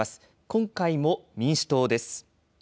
今回も民主党です。